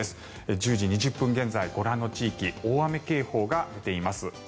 １０時２０分現在、ご覧の地域大雨警報が出ています。